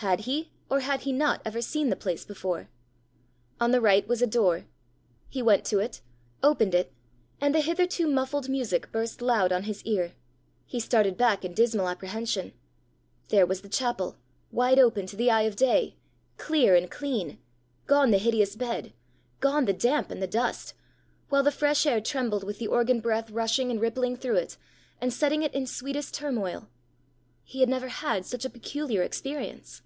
Had he or had he not ever seen the place before? On the right was a door. He went to it, opened it, and the hitherto muffled music burst loud on his ear. He started back in dismal apprehension: there was the chapel, wide open to the eye of day! clear and clean! gone the hideous bed! gone the damp and the dust! while the fresh air trembled with the organ breath rushing and rippling through it, and setting it in sweetest turmoil! He had never had such a peculiar experience!